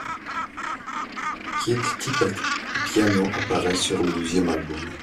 Keith Tippett au piano apparaît sur le deuxième album.